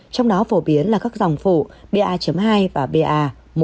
trong đó phổ biến là các dòng phụ ba hai và ba một một